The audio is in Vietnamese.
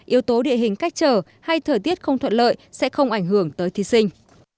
yếu tố địa hình cách trở hay thời tiết không thuận lợi sẽ không ảnh hưởng tới thí sinh